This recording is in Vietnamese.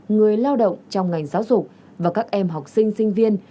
người lao động trong ngành giáo dục và các em học sinh sinh viên